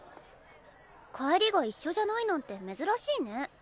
帰りが一緒じゃないなんて珍しいね。